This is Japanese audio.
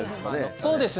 そうですね。